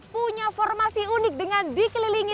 punya formasi unik dengan dikelilingi